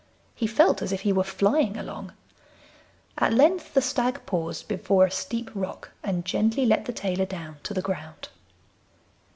He felt as if he were flying along. At length the stag paused before a steep rock and gently let the tailor down to the ground.